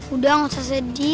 udah gak usah sedih